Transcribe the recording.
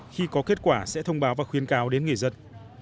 khi có kết quả sẽ thông báo và khuyến cáo đến người dân